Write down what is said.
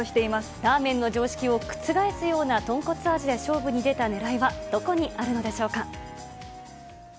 ラーメンの常識を覆すような豚骨味で勝負に出たねらいはどこにあるのでしょうか。